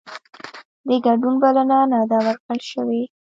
د ګډون بلنه نه ده ورکړل شوې